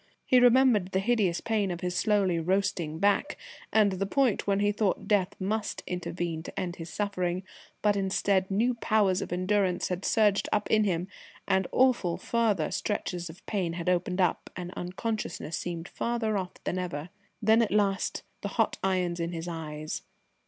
He remembered the hideous pain of his slowly roasting back, and the point when he thought death must intervene to end his suffering, but instead new powers of endurance had surged up in him, and awful further stretches of pain had opened up, and unconsciousness seemed farther off than ever. Then at last the hot irons in his eyes....